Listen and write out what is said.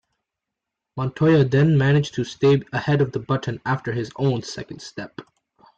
Montoya then managed to stay ahead of Button after his own second stop.